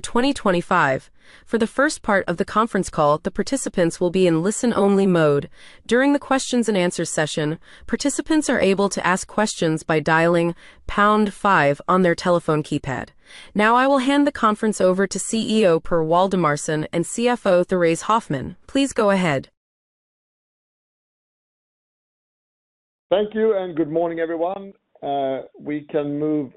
2025. For the first part of the conference call, the participants will be in listen-only mode. During the Q&A session, participants are able to ask questions by dialing pound five on their telephone keypad. Now, I will hand the conference over to CEO Per Waldemarson and CFO Therése Hoffman. Please go ahead. Thank you, and good morning, everyone. We can move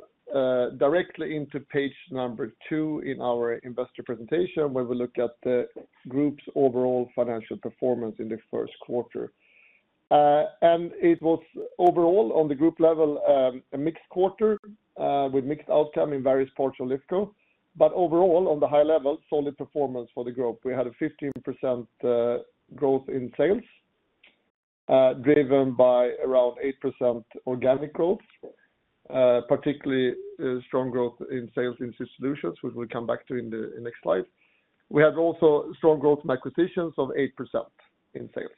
directly into page number 2 in our investor presentation, where we look at the group's overall financial performance in the first quarter. It was, overall, on the group level, a mixed quarter with mixed outcome in various parts of Lifco. Overall, on the high level, solid performance for the group. We had a 15% growth in sales, driven by around 8% organic growth, particularly strong growth in sales in C solutions, which we will come back to in the next slide. We had also strong growth in acquisitions of 8% in sales.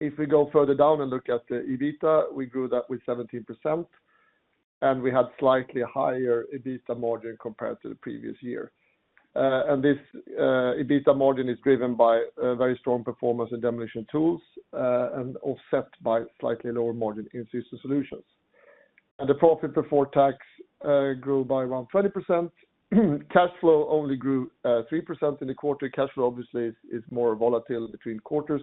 If we go further down and look at EBITDA, we grew that with 17%, and we had slightly higher EBITDA margin compared to the previous year. This EBITDA margin is driven by very strong performance in Demolition & Tools and offset by slightly lower margin in C solutions. The profit before tax grew by around 20%. Cash flow only grew 3% in the quarter. Cash flow, obviously, is more volatile between quarters.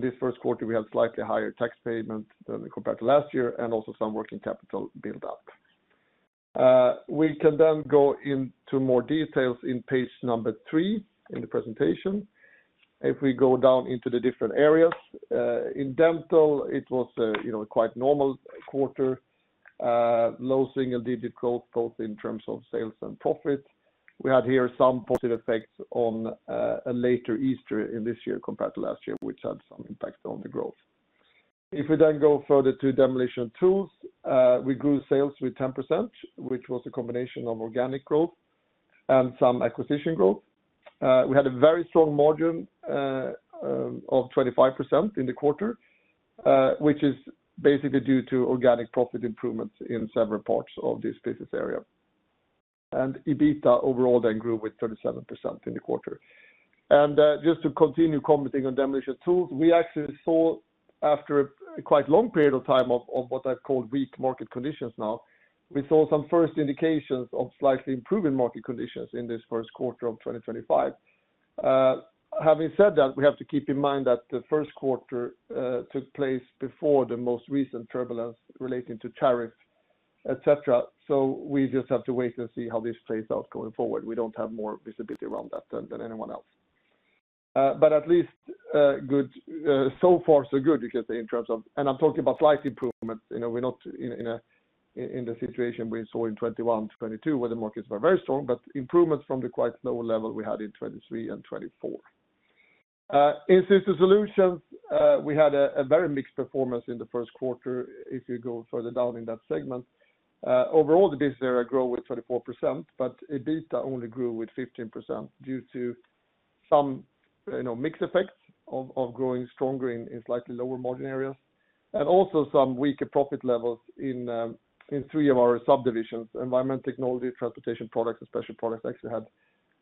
This first quarter, we had slightly higher tax payment compared to last year and also some working capital build-up. We can then go into more details in page number 3 in the presentation. If we go down into the different areas, in dental, it was a quite normal quarter, low single-digit growth both in terms of sales and profit. We had here some positive effects on a later Easter in this year compared to last year, which had some impact on the growth. If we then go further to Demolition & Tools, we grew sales with 10%, which was a combination of organic growth and some acquisition growth. We had a very strong margin of 25% in the quarter, which is basically due to organic profit improvements in several parts of this business area. EBITDA overall then grew with 37% in the quarter. Just to continue commenting on Demolition & Tools, we actually saw, after a quite long period of time of what I've called weak market conditions, we saw some first indications of slightly improving market conditions in this first quarter of 2025. Having said that, we have to keep in mind that the first quarter took place before the most recent turbulence relating to tariffs, etc. We just have to wait and see how this plays out going forward. We do not have more visibility around that than anyone else. At least, so far, so good, you can say, in terms of—and I'm talking about slight improvements. We're not in the situation we saw in 2021, 2022, where the markets were very strong, but improvements from the quite low level we had in 2023 and 2024. In C solutions, we had a very mixed performance in the first quarter. If you go further down in that segment, overall, the business area grew with 24%, but EBITDA only grew with 15% due to some mixed effects of growing stronger in slightly lower margin areas and also some weaker profit levels in three of our subdivisions: Environmental Technology, Transportation Products, and Special Products. Actually, we had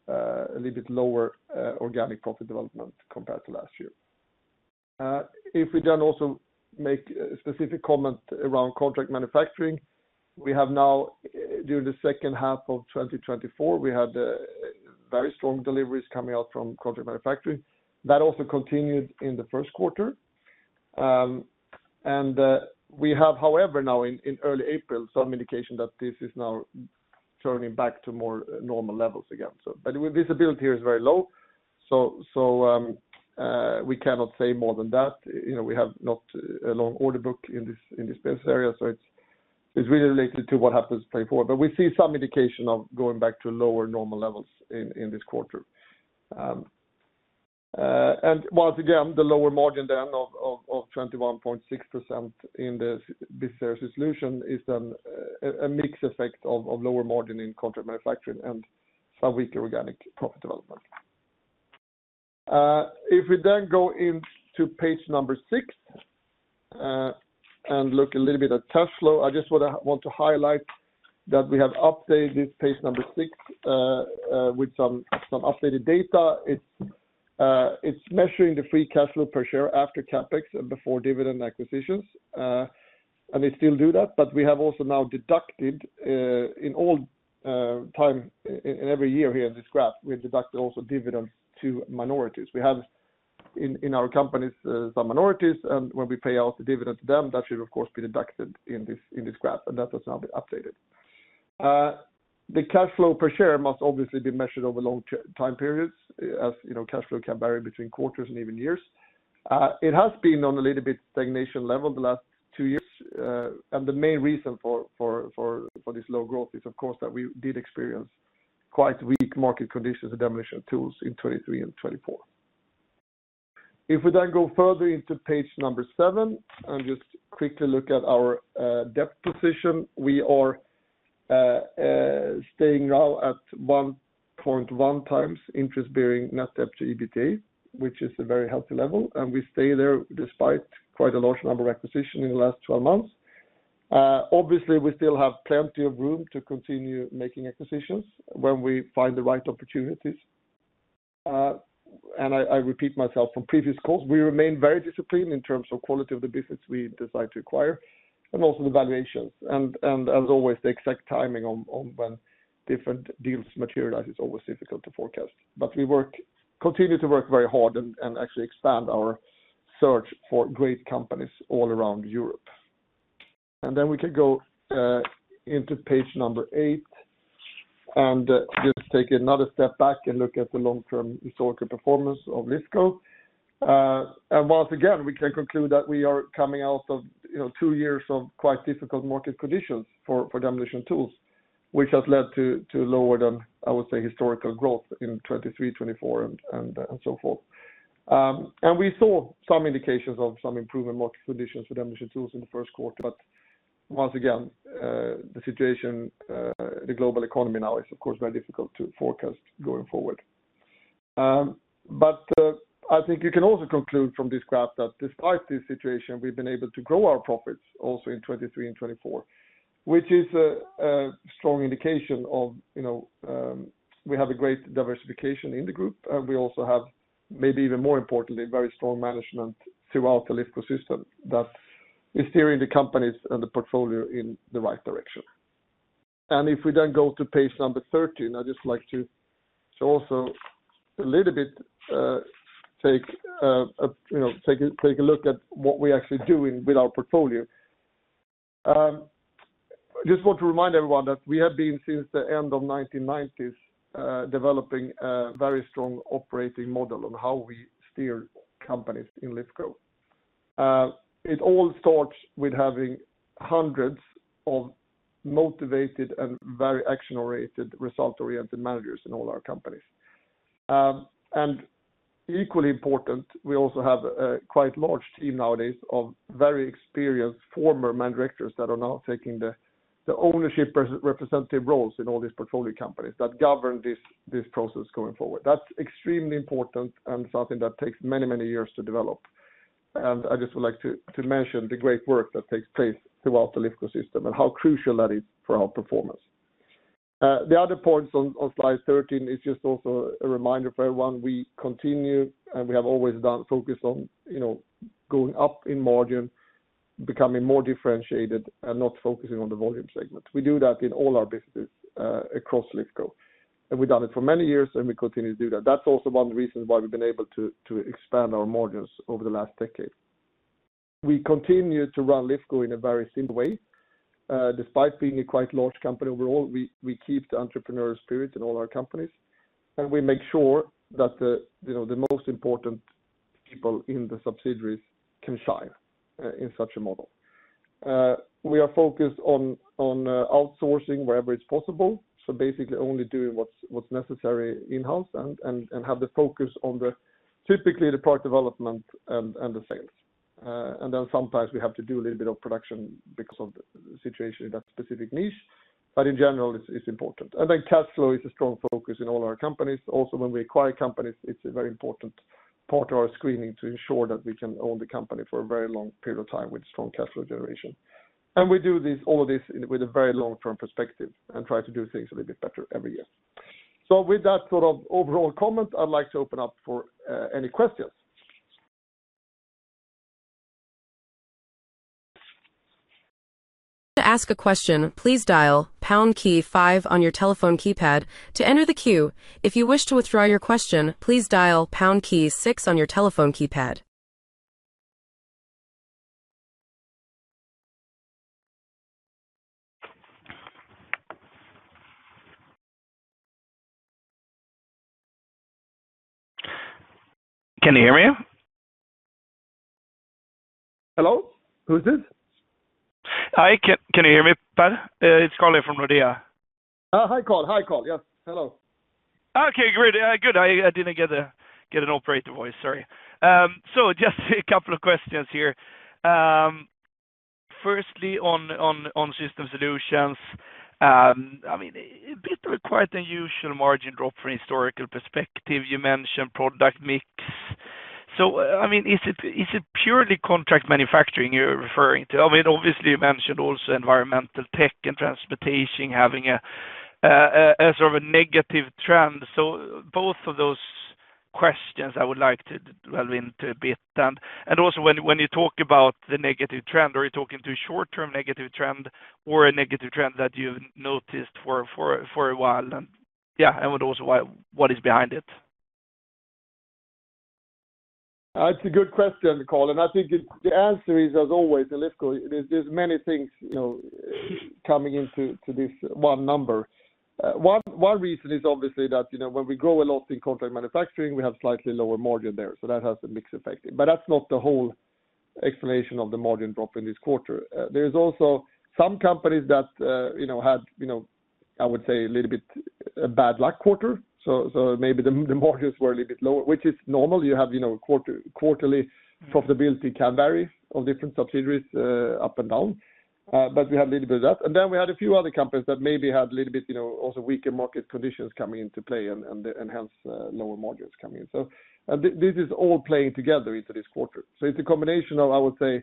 a little bit lower organic profit development compared to last year. If we then also make a specific comment around contract manufacturing, we have now, during the second half of 2024, we had very strong deliveries coming out from Contract Manufacturing. That also continued in the first quarter.f We have, however, now in early April, some indication that this is now turning back to more normal levels again. Visibility here is very low, so we cannot say more than that. We have not a long order book in this business area, so it is really related to what happens going forward. We see some indication of going back to lower normal levels in this quarter. Once again, the lower margin then of 21.6% in this C solution is then a mixed effect of lower margin in contract manufacturing and some weaker organic profit development. If we then go into page number 6 and look a little bit at cash flow, I just want to highlight that we have updated this page number 6 with some updated data. It is measuring the free cash flow per share after CapEx and before dividend acquisitions. We still do that, but we have also now deducted in all time in every year here in this graph, we have deducted also dividends to minorities. We have in our companies some minorities, and when we pay out the dividend to them, that should, of course, be deducted in this graph, and that has now been updated. The cash flow per share must obviously be measured over long time periods, as cash flow can vary between quarters and even years. It has been on a little bit stagnation level the last two years. The main reason for this low growth is, of course, that we did experience quite weak market conditions and Demolition & Tools in 2023 and 2024. If we then go further into page number 7 and just quickly look at our debt position, we are staying now at 1.1x interest-bearing net debt to EBITDA, which is a very healthy level. We stay there despite quite a large number of acquisitions in the last 12 months. Obviously, we still have plenty of room to continue making acquisitions when we find the right opportunities. I repeat myself from previous calls, we remain very disciplined in terms of quality of the business we decide to acquire and also the valuations. As always, the exact timing on when different deals materialize is always difficult to forecast. We continue to work very hard and actually expand our search for great companies all around Europe. We can go into page number 8 and just take another step back and look at the long-term historical performance of Lifco. Once again, we can conclude that we are coming out of two years of quite difficult market conditions for Demolition & Tools, which has led to lower than, I would say, historical growth in 2023, 2024, and so forth. We saw some indications of some improvement in market conditions for Demolition & Tools in the first quarter. Once again, the situation, the global economy now is, of course, very difficult to forecast going forward. I think you can also conclude from this graph that despite this situation, we've been able to grow our profits also in 2023 and 2024, which is a strong indication of we have a great diversification in the group. We also have, maybe even more importantly, very strong management throughout the Lifco system that is steering the companies and the portfolio in the right direction. If we then go to page number 13, I'd just like to also a little bit take a look at what we actually do with our portfolio. I just want to remind everyone that we have been since the end of the 1990s developing a very strong operating model on how we steer companies in Lifco. It all starts with having hundreds of motivated and very action-oriented, result-oriented managers in all our companies. Equally important, we also have a quite large team nowadays of very experienced former managers that are now taking the ownership representative roles in all these portfolio companies that govern this process going forward. That's extremely important and something that takes many, many years to develop. I just would like to mention the great work that takes place throughout the Lifco system and how crucial that is for our performance. The other points on slide 13 are just also a reminder for everyone. We continue and we have always focused on going up in margin, becoming more differentiated, and not focusing on the volume segment. We do that in all our businesses across Lifco. We have done it for many years, and we continue to do that. That is also one of the reasons why we have been able to expand our margins over the last decade. We continue to run Lifco in a very simple way. Despite being a quite large company overall, we keep the entrepreneurial spirit in all our companies. We make sure that the most important people in the subsidiaries can shine in such a model. We are focused on outsourcing wherever it's possible, so basically only doing what's necessary in-house and have the focus on typically the product development and the sales. Sometimes we have to do a little bit of production because of the situation in that specific niche. In general, it's important. Cash flow is a strong focus in all our companies. Also, when we acquire companies, it's a very important part of our screening to ensure that we can own the company for a very long period of time with strong cash flow generation. We do all of this with a very long-term perspective and try to do things a little bit better every year. With that sort of overall comment, I'd like to open up for any questions. To ask a question, please dial pound five on your telephone keypad to enter the queue. If you wish to withdraw your question, please dial pound six on your telephone keypad. Can you hear me? Hello? Who is this? Hi. Can you hear me, Per? It's Colin from Nordea. Hi, Colin. Yes. Hello. Okay. Good. Good. I did not get an operator voice. Sorry. Just a couple of questions here. Firstly, on Systems Solutions, I mean, a bit of a quite unusual margin drop from a historical perspective. You mentioned product mix. I mean, is it purely contract manufacturing you are referring to? I mean, obviously, you mentioned also environmental tech and transportation having a sort of a negative trend. Both of those questions I would like to delve into a bit. Also, when you talk about the negative trend, are you talking to a short-term negative trend or a negative trend that you have noticed for a while? Yeah, and also what is behind it? That's a good question, Colin. I think the answer is, as always, in Lifco, there's many things coming into this one number. One reason is obviously that when we grow a lot in contract manufacturing, we have slightly lower margin there. That has a mixed effect. That's not the whole explanation of the margin drop in this quarter. There are also some companies that had, I would say, a little bit of a bad luck quarter. Maybe the margins were a little bit lower, which is normal. You have quarterly profitability that can vary on different subsidiaries up and down. We have a little bit of that. We had a few other companies that maybe had a little bit of also weaker market conditions coming into play and hence lower margins coming in. This is all playing together into this quarter. It is a combination of, I would say,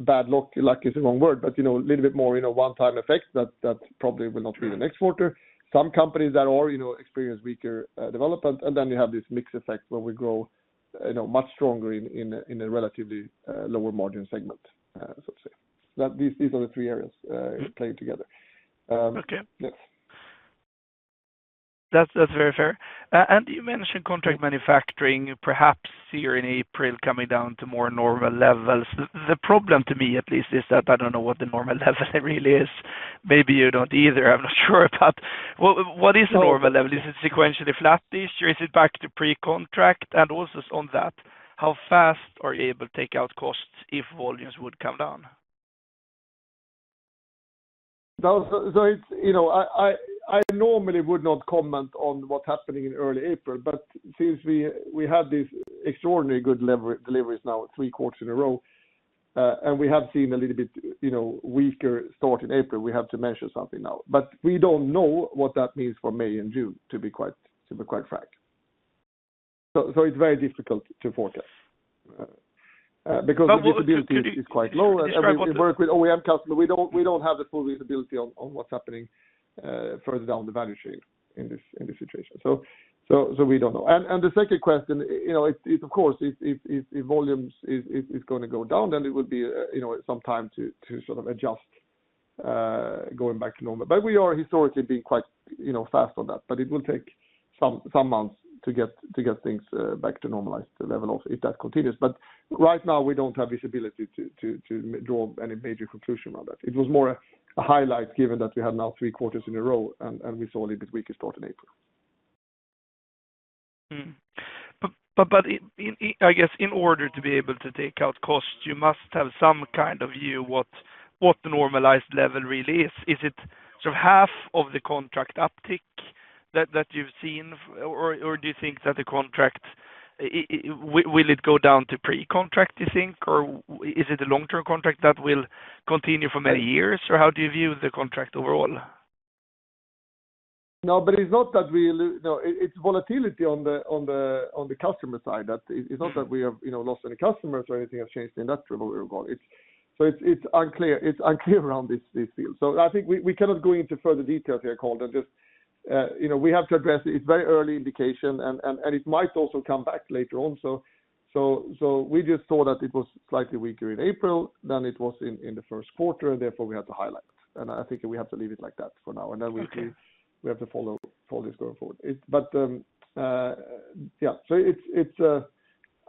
bad luck. Luck is the wrong word, but a little bit more of a one-time effect that probably will not be the next quarter. Some companies that are experiencing weaker development. Then you have this mixed effect where we grow much stronger in a relatively lower margin segment, so to say. These are the three areas playing together. Okay. That's very fair. You mentioned contract manufacturing, perhaps here in April coming down to more normal levels. The problem to me, at least, is that I don't know what the normal level really is. Maybe you don't either. I'm not sure. What is the normal level? Is it sequentially flat this year, is it back to pre-contract? Also on that, how fast are you able to take out costs if volumes would come down? I normally would not comment on what's happening in early April, but since we had these extraordinarily good deliveries now, three quarters in a row, and we have seen a little bit weaker start in April, we have to measure something now. We don't know what that means for May and June, to be quite frank. It is very difficult to forecast because the visibility is quite low. Working with OEM customers, we don't have the full visibility on what's happening further down the value chain in this situation. We don't know. The second question, of course, if volumes are going to go down, then it will be some time to sort of adjust going back to normal. We are historically being quite fast on that. It will take some months to get things back to normalized level if that continues. Right now, we do not have visibility to draw any major conclusion on that. It was more a highlight given that we had now three quarters in a row, and we saw a little bit weaker start in April. I guess in order to be able to take out costs, you must have some kind of view of what the normalized level really is. Is it sort of half of the contract uptick that you have seen, or do you think that the contract, will it go down to pre-contract, you think, or is it a long-term contract that will continue for many years, or how do you view the contract overall? No, but it's not that real. It's volatility on the customer side. It's not that we have lost any customers or anything has changed in that role. It's unclear around this field. I think we cannot go into further details here, Colin. We have to address it. It's a very early indication, and it might also come back later on. We just saw that it was slightly weaker in April than it was in the first quarter, and therefore we had to highlight it. I think we have to leave it like that for now. We have to follow this going forward. Yeah, it's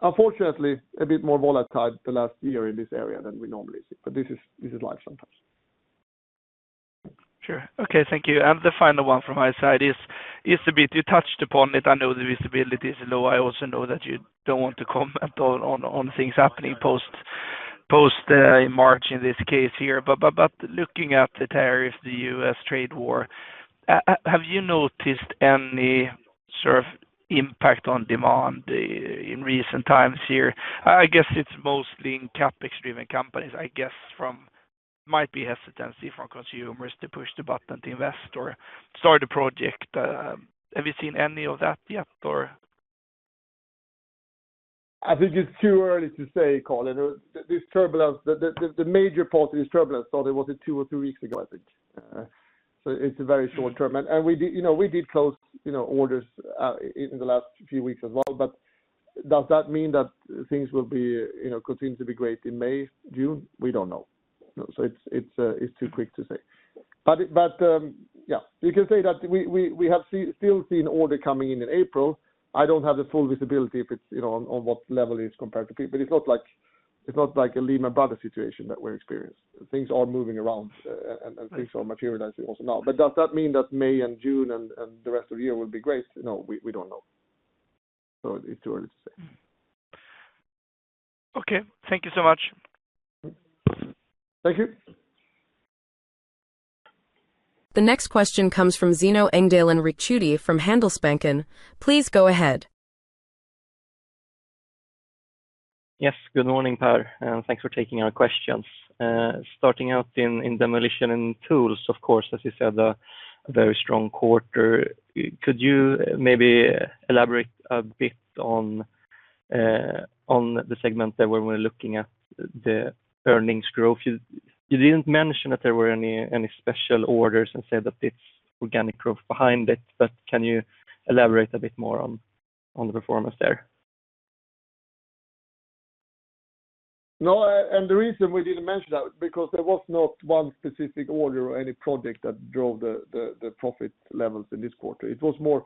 unfortunately a bit more volatile the last year in this area than we normally see. This is life sometimes. Sure. Okay. Thank you. The final one from my side is a bit you touched upon it. I know the visibility is low. I also know that you do not want to comment on things happening post-March in this case here. Looking at the tariffs, the U.S. trade war, have you noticed any sort of impact on demand in recent times here? I guess it is mostly in CapEx-driven companies, I guess, from might be hesitancy from consumers to push the button to invest or start a project. Have you seen any of that yet, or? I think it's too early to say, Colin. The major part of this turbulence started, was it two or three weeks ago, I think? It's a very short term. We did close orders in the last few weeks as well. Does that mean that things will continue to be great in May, June? We don't know. It's too quick to say. You can say that we have still seen order coming in in April. I don't have the full visibility on what level it is compared to people. It's not like a Lehman Brothers situation that we're experiencing. Things are moving around, and things are materializing also now. Does that mean that May and June and the rest of the year will be great? No, we don't know. It's too early to say. Okay. Thank you so much. Thank you. The next question comes from Zeno Engdahl from Handelsbanken. Please go ahead. Yes. Good morning, Per. Thanks for taking our questions. Starting out in demolition and tools, of course, as you said, a very strong quarter. Could you maybe elaborate a bit on the segment that we're looking at, the earnings growth? You did not mention that there were any special orders and said that it is organic growth behind it. Could you elaborate a bit more on the performance there? No. The reason we did not mention that is because there was not one specific order or any project that drove the profit levels in this quarter. It was more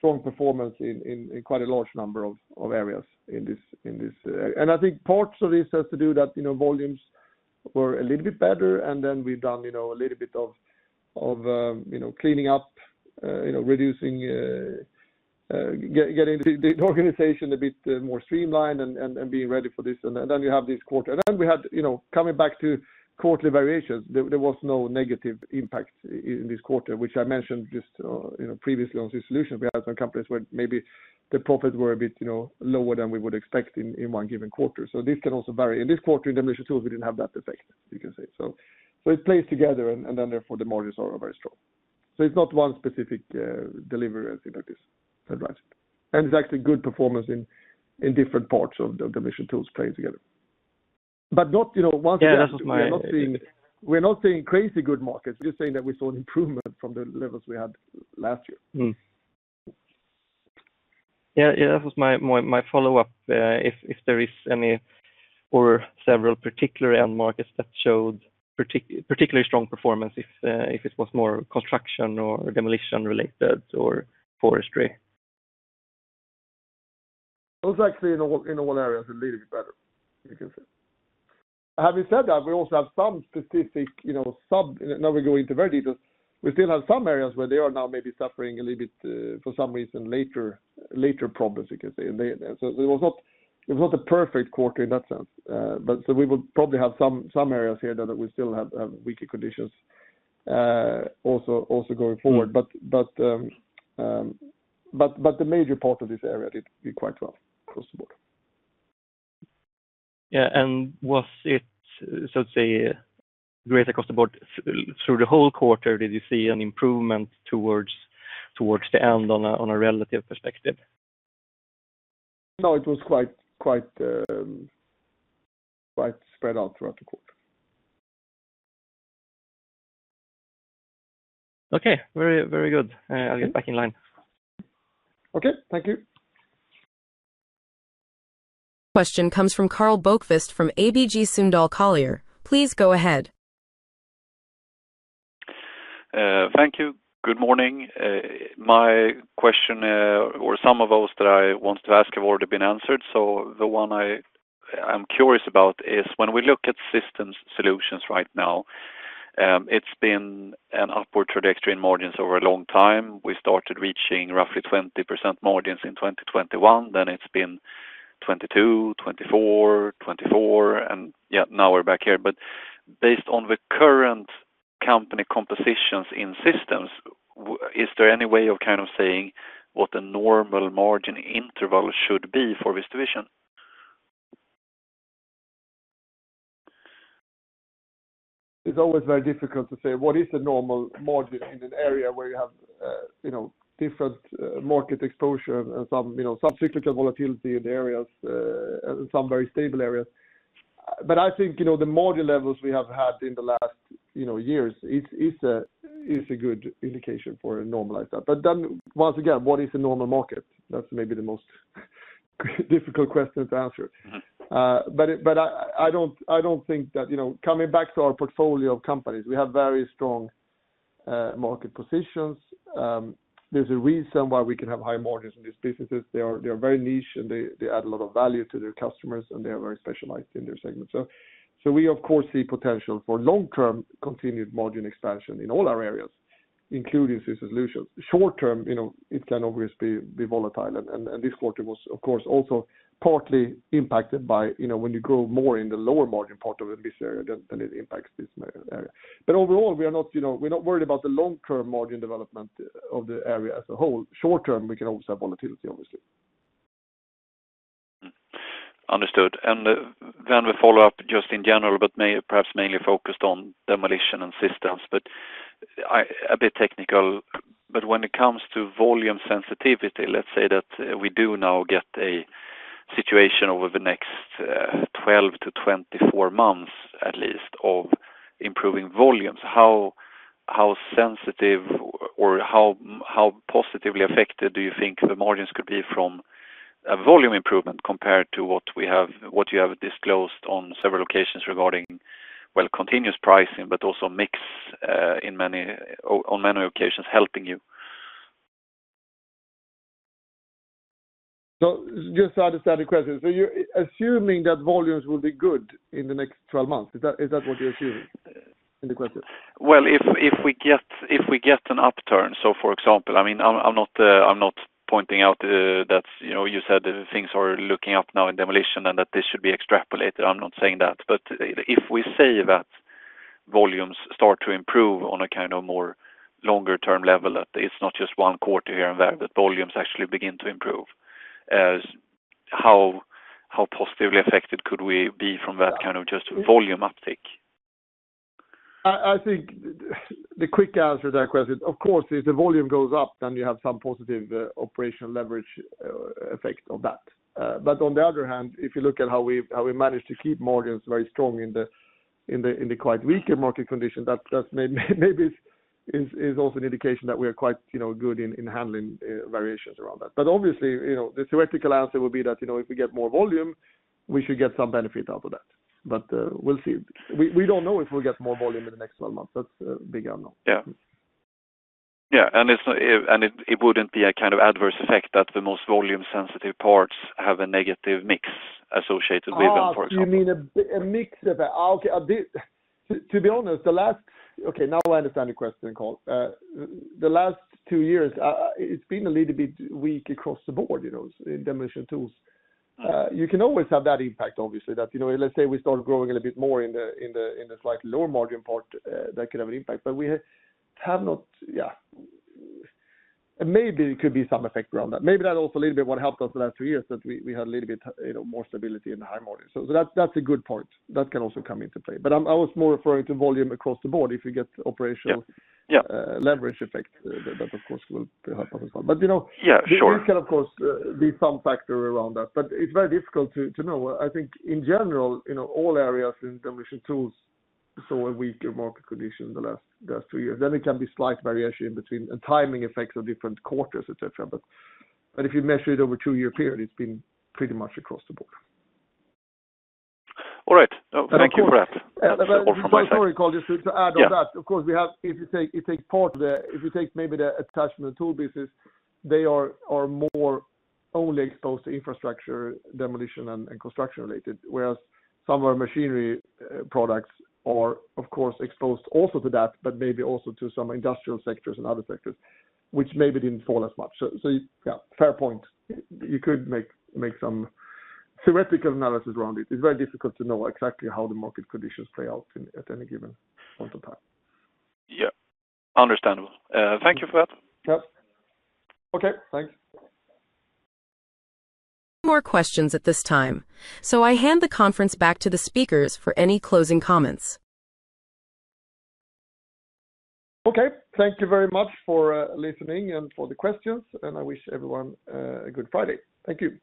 strong performance in quite a large number of areas in this area. I think parts of this have to do with the fact that volumes were a little bit better. We have done a little bit of cleaning up, getting the organization a bit more streamlined and being ready for this. You have this quarter. We had, coming back to quarterly variations, no negative impact in this quarter, which I mentioned just previously on C solutions. We had some companies where maybe the profits were a bit lower than we would expect in one given quarter. This can also vary. In this quarter, in Demolition & Tools, we did not have that effect, you can say. It plays together, and therefore the margins are very strong. It is not one specific delivery that is impacting it. It is actually good performance in different parts of Demolition & Tools playing together. Once again, we are not seeing crazy good markets. We are just saying that we saw an improvement from the levels we had last year. Yeah. Yeah. That was my follow-up. If there is any or several particular end markets that showed particularly strong performance, if it was more construction or demolition related or forestry. It was actually in all areas a little bit better, you can say. Having said that, we also have some specific sub—now we are going into very details. We still have some areas where they are now maybe suffering a little bit for some reason, later problems, you can say. It was not a perfect quarter in that sense. We will probably have some areas here that we still have weaker conditions also going forward. The major part of this area did quite well across the board. Yeah. Was it, so to say, greater across the board through the whole quarter? Did you see an improvement towards the end on a relative perspective? No. It was quite spread out throughout the quarter. Okay. Very good. I'll get back in line. Okay. Thank you. Question comes from Karl Bokvist from ABG Sundal Collier. Please go ahead. Thank you. Good morning. My question, or some of those that I wanted to ask, have already been answered. The one I am curious about is when we look at Systems Solutions right now, it has been an upward trajectory in margins over a long time. We started reaching roughly 20% margins in 2021. Then it has been 22%, 24%, 24%. Yeah, now we are back here. Based on the current company compositions in C systems, is there any way of kind of saying what the normal margin interval should be for this division? It's always very difficult to say what is the normal margin in an area where you have different market exposure and some cyclical volatility in the areas and some very stable areas. I think the margin levels we have had in the last years is a good indication for normalizing that. Once again, what is the normal market? That's maybe the most difficult question to answer. I don't think that coming back to our portfolio of companies, we have very strong market positions. There's a reason why we can have high margins in these businesses. They are very niche, and they add a lot of value to their customers, and they are very specialized in their segment. We, of course, see potential for long-term continued margin expansion in all our areas, including C solutions. Short-term, it can obviously be volatile. This quarter was, of course, also partly impacted by when you grow more in the lower margin part of this area, then it impacts this area. Overall, we're not worried about the long-term margin development of the area as a whole. Short-term, we can always have volatility, obviously. Understood. We follow up just in general, but perhaps mainly focused on demolition and C systems. A bit technical. When it comes to volume sensitivity, let's say that we do now get a situation over the next 12 to 24 months, at least, of improving volumes, how sensitive or how positively affected do you think the margins could be from a volume improvement compared to what you have disclosed on several occasions regarding, well, continuous pricing, but also mix in many occasions helping you? Just to understand the question, you're assuming that volumes will be good in the next 12 months. Is that what you're assuming in the question? If we get an upturn, for example, I mean, I'm not pointing out that you said that things are looking up now in demolition and that this should be extrapolated. I'm not saying that. If we say that volumes start to improve on a kind of more longer-term level, that it's not just one quarter here and there, that volumes actually begin to improve, how positively affected could we be from that kind of just volume uptick? I think the quick answer to that question, of course, if the volume goes up, then you have some positive operational leverage effect of that. On the other hand, if you look at how we managed to keep margins very strong in the quite weaker market condition, that maybe is also an indication that we are quite good in handling variations around that. Obviously, the theoretical answer would be that if we get more volume, we should get some benefit out of that. We'll see. We don't know if we'll get more volume in the next 12 months. That's a big unknown. Yeah. Yeah. It would not be a kind of adverse effect that the most volume-sensitive parts have a negative mix associated with them, for example? Oh, you mean a mix of—okay. To be honest, the last—okay, now I understand your question, Colin. The last two years, it's been a little bit weak across the board in Demolition & Tools. You can always have that impact, obviously, that let's say we start growing a little bit more in the slightly lower margin part, that could have an impact. We have not—yeah. Maybe there could be some effect around that. Maybe that also a little bit what helped us the last two years, that we had a little bit more stability in the high margin. That is a good point. That can also come into play. I was more referring to volume across the board. If you get operational leverage effect, that, of course, will help us as well. These can, of course, be some factor around that. It is very difficult to know. I think in general, all areas in Demolition & Tools saw a weaker market condition in the last two years. There can be slight variation in between and timing effects of different quarters, etc. If you measure it over a two-year period, it has been pretty much across the board. All right. Thank you for that. Sorry, Colin, just to add on that. Of course, if you take part of the—if you take maybe the attachment tool business, they are more only exposed to infrastructure demolition and construction related, whereas some of our machinery products are, of course, exposed also to that, but maybe also to some industrial sectors and other sectors, which maybe did not fall as much. So yeah, fair point. You could make some theoretical analysis around it. It is very difficult to know exactly how the market conditions play out at any given point of time. Yeah. Understandable. Thank you for that. Yep. Okay. Thanks. No more questions at this time. I hand the conference back to the speakers for any closing comments. Okay. Thank you very much for listening and for the questions. I wish everyone a good Friday. Thank you.